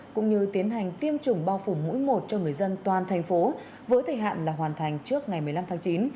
cũng như tiến hành tiêm chủng bao phủ mũi một cho người dân toàn thành phố với thời hạn là hoàn thành trước ngày một mươi năm tháng chín